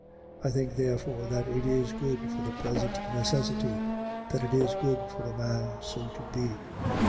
7:26. I think therefore that this is good for the present necessity: that it is good for a man so to be.